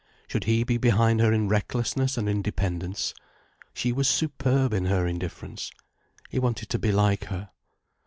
Should he be behind her in recklessness and independence? She was superb in her indifference. He wanted to be like her.